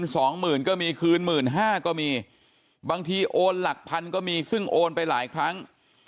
คืน๒๐๐๐๐ก็มีคืน๑๕๐๐๐ก็มีบางทีโอนหลักพันธุ์ก็มีซึ่งโอนไปหลายครั้ง